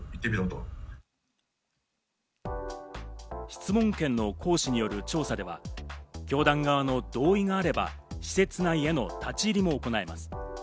質問権の行使による調査では教団側の同意があれば施設内への立ち入りも行えます。